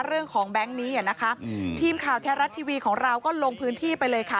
เรื่องของแบงค์นี้ทีมข่าวแท้รัฐทีวีของเราก็ลงพื้นที่ไปเลยค่ะ